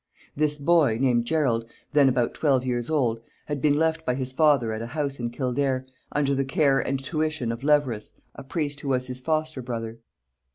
This boy, named Gerald, then about twelve years old, had been left by his father at a house in Kildare, under the care and tuition of Leverous a priest who was his foster brother.